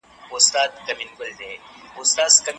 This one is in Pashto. سيالي واکمنۍ رامنځته شوې.